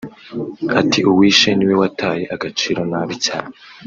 Ati “Uwishe ni we wataye agaciro nabi cyane